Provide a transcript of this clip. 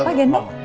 bapak mau gendong